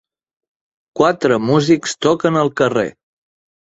Quatre músics toquen al carrer.